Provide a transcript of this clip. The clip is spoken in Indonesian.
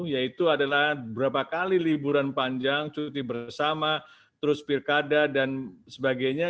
yaitu adalah berapa kali liburan panjang cuti bersama terus pilkada dan sebagainya